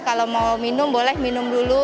kalau mau minum boleh minum dulu